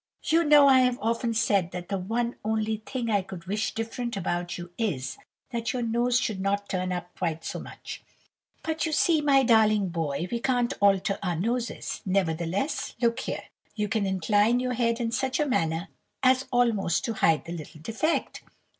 You know, I have often said that the one only thing I could wish different about you is, that your nose should not turn up quite so much. But you see, my darling boy, we can't alter our noses. Nevertheless, look here! you can incline your head in such a manner as almost to hide the little defect.